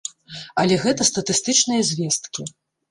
Але гэта статыстычныя звесткі.